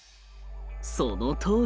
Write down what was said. そのとおり！